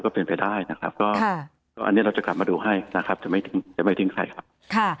ก็เป็นไปได้นะครับก็อันนี้เราจะกลับมาดูให้นะครับจะไม่ทิ้งใครครับ